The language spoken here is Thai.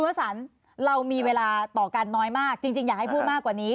ว่าสารเรามีเวลาต่อกันน้อยมากจริงอยากให้พูดมากกว่านี้